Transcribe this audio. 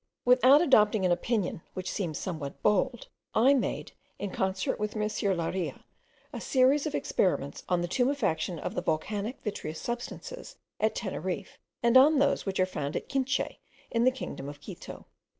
Without adopting an opinion, which seems somewhat bold, I made, in concert with M. Larea, a series of experiments on the tumefaction of the volcanic vitreous substances at Teneriffe, and on those which are found at Quinche, in the kingdom of Quito.